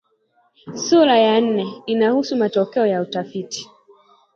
Sura ya nne inahusu matokeo ya utafiti